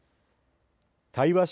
対話式